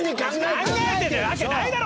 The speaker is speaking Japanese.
石原：考えてるわけないだろ！